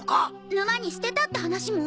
沼に捨てたって話も？